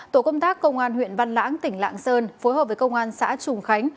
tổ công tác công an huyện văn lãng tỉnh lạng sơn phối hợp với công an xã trùng khánh